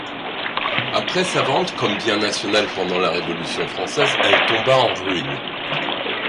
Après sa vente comme bien national pendant la Révolution française elle tomba en ruine.